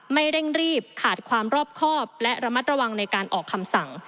เร่งรีบขาดความรอบครอบและระมัดระวังในการออกคำสั่ง